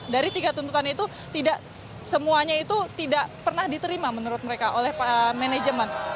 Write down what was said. dari tiga tuntutan itu tidak semuanya itu tidak pernah diterima menurut mereka oleh manajemen